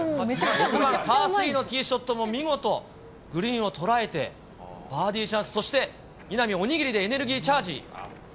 パースリーのティーショットも見事、グリーンを捉えて、バーディーチャンス、そして稲見、お握りでエネルギーチャージ。